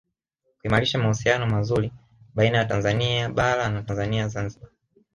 Kuimarisha mahusiano mazuri baina ya Tanzania Bara na Tanzania Zanzibar